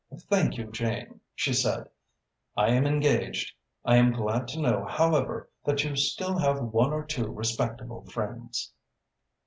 "Thank you, Jane," she said, "I am engaged. I am glad to know, however, that you still have one or two respectable friends."